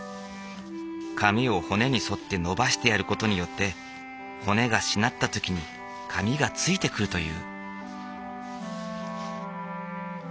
紙を骨に沿って伸ばしてやる事によって骨がしなった時に紙がついてくるという。